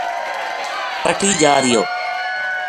پٹی جا رہیو